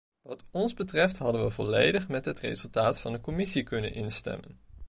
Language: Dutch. Wat ons betreft hadden we volledig met het resultaat van de commissie kunnen instemmen.